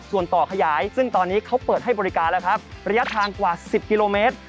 ส่วนต่อขยายซึ่งตอนนี้เขาเปิดให้บริการแล้วครับระยะทางกว่า๑๐กิโลเมตร